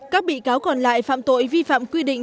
các bị cáo còn lại phạm tội vi phạm quy định